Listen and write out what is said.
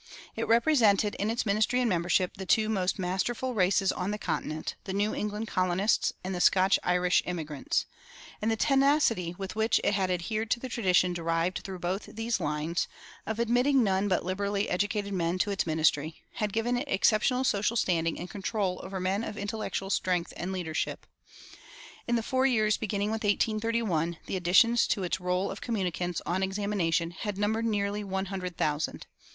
It represented in its ministry and membership the two most masterful races on the continent, the New England colonists and the Scotch Irish immigrants; and the tenacity with which it had adhered to the tradition derived through both these lines, of admitting none but liberally educated men to its ministry, had given it exceptional social standing and control over men of intellectual strength and leadership. In the four years beginning with 1831 the additions to its roll of communicants "on examination" had numbered nearly one hundred thousand.